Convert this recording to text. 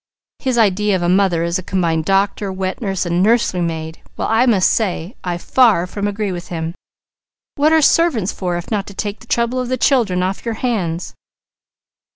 His idea of a mother is a combined doctor, wet nurse and nursery maid, while I must say, I far from agree with him. What are servants for if not to take the trouble of children off your hands?"